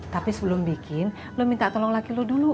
tapi sebelum bikin lo minta tolong laki lo dulu